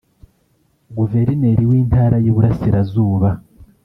Guverineri w’Intara y’Iburasirazuba